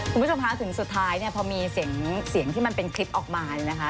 คุณผู้ชมคะถึงสุดท้ายเนี่ยพอมีเสียงที่มันเป็นคลิปออกมาเนี่ยนะคะ